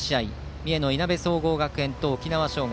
三重の、いなべ総合学園と沖縄尚学。